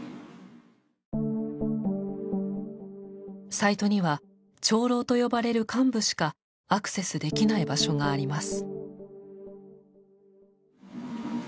サイトには「長老」と呼ばれる幹部しかアクセスできない場所があります。